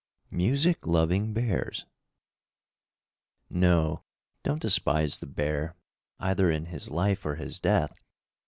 MUSIC LOVING BEARS. No, don't despise the bear, either in his life or his death.